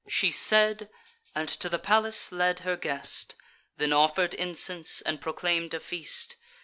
She said, and to the palace led her guest; Then offer'd incense, and proclaim'd a feast.